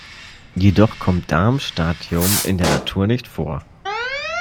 Jedoch kommt Darmstadtium in der Natur nicht vor.